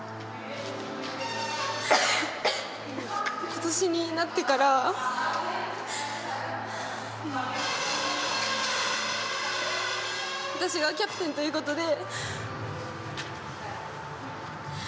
今年になってから私がキャプテンということで。